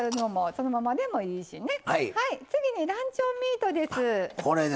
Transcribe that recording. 次にランチョンミートです。